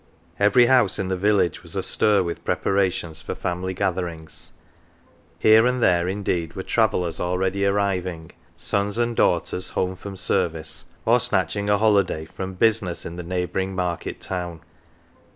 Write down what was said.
Every house in the village was astir with preparations for family gatherings ; here and there, indeed, were travellers already arriving sons and daughters home from service, or snatching a holiday 233 "OUR JOE" from "business" in the neighbouring market town.